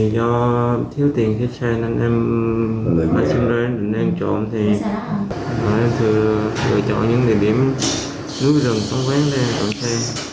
do thiếu tiền thiếu xe nên em bắt xe ra đến đây trộm thì em thử chọn những địa điểm nước rừng không quen để trộm xe